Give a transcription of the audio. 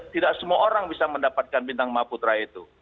tidak semua orang bisa mendapatkan bintang maha putra itu